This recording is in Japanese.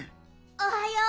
おはよう。